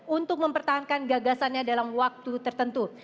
untuk mempertahankan gagasannya dalam waktu tertentu